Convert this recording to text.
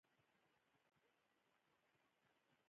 په دې کې نرس مهم رول لوبوي.